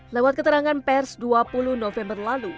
lewat keterangan pers dua puluh november lalu